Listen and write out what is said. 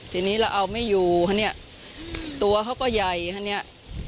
ทีนี้เราเอาไม่อยู่ฮะเนี่ยตัวเขาก็ใหญ่ฮะเนี่ย